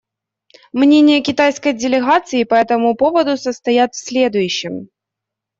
Мнения китайской делегации по этому поводу состоят в следующем.